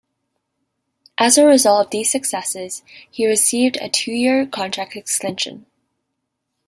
As a result of these successes he received a two-year contract extension.